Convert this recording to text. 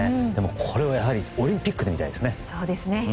これをオリンピックで見たいですね。